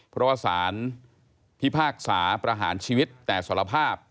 ภรรษาณพิพากษาประหารชีวิตแต่สารภาพ